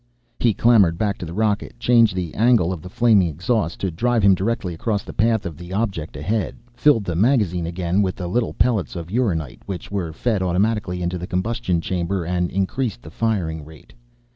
He clambered back to the rocket, changed the angle of the flaming exhaust, to drive him directly across the path of the object ahead, filled the magazine again with the little pellets of uranite, which were fed automatically into the combustion chamber, and increased the firing rate.